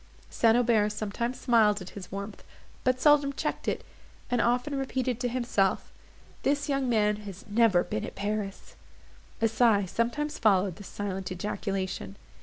St. Aubert sometimes smiled at his warmth, but seldom checked it, and often repeated to himself, "This young man has never been at Paris." A sigh sometimes followed this silent ejaculation.